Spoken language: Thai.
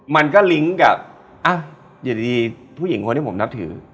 มันก็ลิงก์กับอยู่ดีผู้หญิงคนที่ผมนับถือ